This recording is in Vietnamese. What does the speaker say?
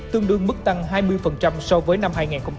tương đương mức tăng hai mươi so với năm hai nghìn hai mươi hai